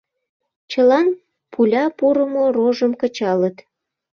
Чылан пуля пурымо рожым кычалыт.